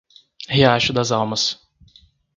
Riacho das Almas